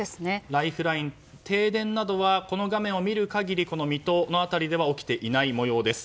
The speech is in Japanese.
ライフライン、停電などはこの画面を見る限りこの水戸の辺りでは起きていない模様です。